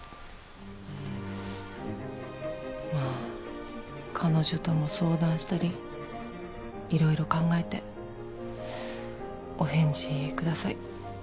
まあ彼女とも相談したり色々考えてお返事ください